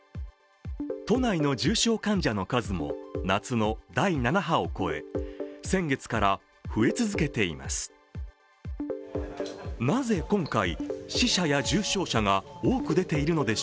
都内の重症患者の数も夏の第７波を超え先月から増え続けています。